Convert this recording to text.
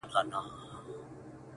بیا یې نوی سپین کفن ورڅخه وړی،